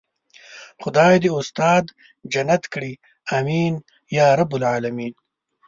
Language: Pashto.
خدای دې استاد جنت کړي آمين يارب العالمين.